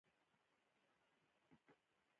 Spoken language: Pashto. • ځینې دینونه راپیدا شول.